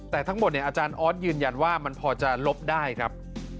แต่ทั้งหมดเนี่ยอาจารย์ออสยืนยันว่ามันพอจะลบได้ครับ